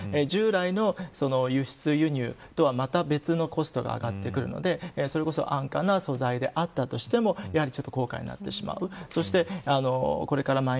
従来の輸出、輸入とはまた別のコストが上がってくるのでそれこそ安価な素材であったとしてもちょっと高価になってしまいます。